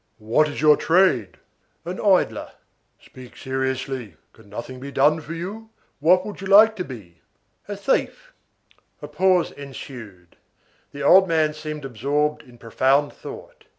"What is your trade?" "An idler." "Speak seriously. Can anything be done for you? What would you like to be?" "A thief." A pause ensued. The old man seemed absorbed in profound thought.